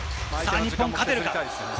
日本、勝てる！